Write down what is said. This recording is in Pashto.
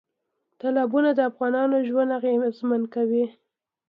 تالابونه د افغانانو ژوند اغېزمن کوي.